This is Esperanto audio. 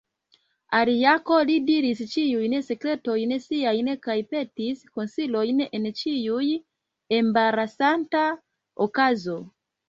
Al Janko li diris ĉiujn sekretojn siajn kaj petis konsilojn en ĉiu embarasanta okazo.